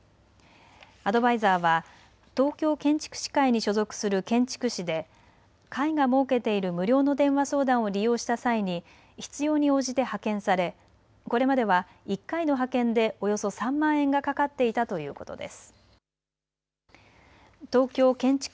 アドバイザーは東京建築士会に所属する建築士で会が設けている無料の電話相談を利用した際に必要に応じて派遣され、これまでは１回の派遣でおよそ３万円がかかっていたということです。